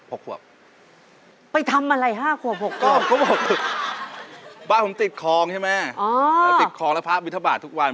ผมไปตั้งแต่๕ขวบ๖ขวบ